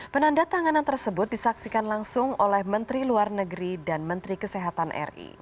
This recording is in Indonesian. penanda tanganan tersebut disaksikan langsung oleh menteri luar negeri dan menteri kesehatan ri